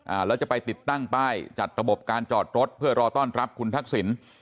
แล้วจะไปติดตั้งป้ายจัดระบบการจอดรถเพื่อรอต้อนรับคุณทักษิณ